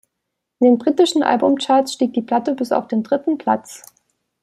In den britischen Albumcharts stieg die Platte bis auf den dritten Platz.